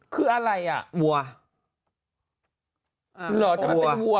คืออะไรวัว